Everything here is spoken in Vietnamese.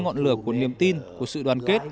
ngọn lửa của niềm tin của sự đoàn kết